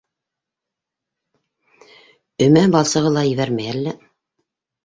Өмә балсығы ла ебәрмәй әллә.